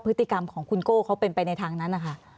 พฤติกรรมของคุณโก้เขาเป็นไปในทางนั้นนะคะ